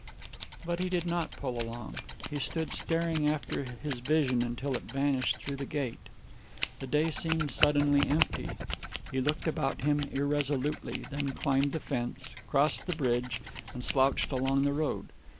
But he did not pull along. He stood staring after his vision until it vanished through the gate. The day seemed suddenly empty. He looked about him irresolutely, then climbed the fence, crossed the bridge, and slouched along the road.